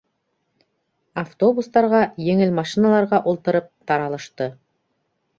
Автобустарға, еңел машиналарға ултырып, таралышты.